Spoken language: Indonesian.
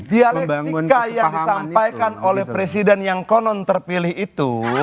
dialektika yang disampaikan oleh presiden yang konon terpilih itu